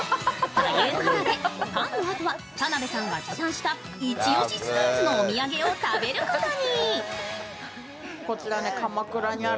ということで、パンのあとは田辺さんが持参した一押しスイーツのお土産を食べることに。